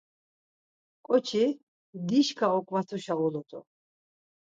ǩoçi dişka oǩvatuşa ulut̆u.